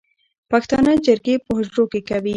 پښتانه جرګې په حجرو کې کوي